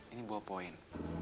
ini buah poin